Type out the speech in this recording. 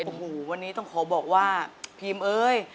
โอ้โหวันนี้ต้องขอบอกว่าพิมเอ้ย